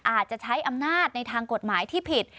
อาจจะใช้อำนาจในทางกฎหมายที่ผิด